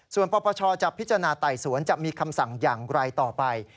ส่วนปปชจะพิจารณาไต่สวนจะมีคำสั่งอย่างไรต่อไป